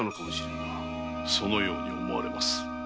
そのように思われます。